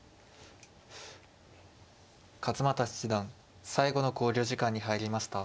勝又七段最後の考慮時間に入りました。